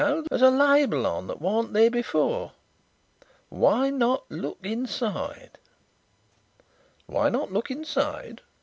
There's a label on that wasn't here before. 'Why not look inside?'" "'Why not look inside?'"